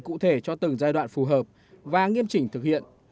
cụ thể cho từng giai đoạn phù hợp và nghiêm chỉnh thực hiện